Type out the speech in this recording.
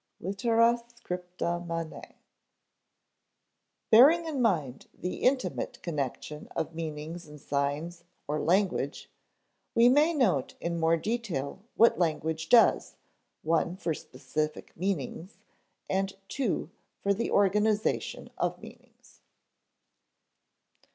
Litera scripta manet. Bearing in mind the intimate connection of meanings and signs (or language), we may note in more detail what language does (1) for specific meanings, and (2) for the organization of meanings.